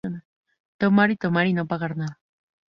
Tomar y tomar y no pagar nada.